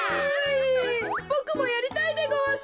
ボクもやりたいでごわす。